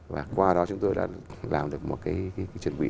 và qua đó chúng tôi đã làm được một cái chuẩn bị